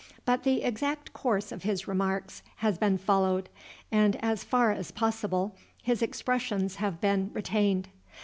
But the exact course of his remarks has been followed, and as far as possible his expressions have been retained.